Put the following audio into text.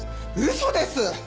嘘です！